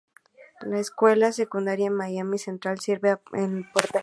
La Escuela Secundaria Miami Central sirve a El Portal.